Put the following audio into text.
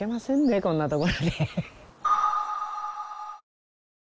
こんなところに。